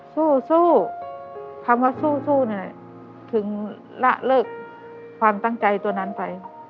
สู้คำว่าสู้เนี่ยถึงละเลิกความตั้งใจตัวนั้นไป